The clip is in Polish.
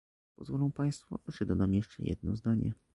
Pozwolą Państwo, że dodam jeszcze jedno zdanie